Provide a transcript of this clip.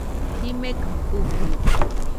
Jimekɨ kujɨde.